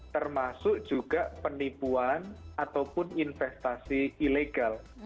termasuk juga penipuan ataupun investasi ilegal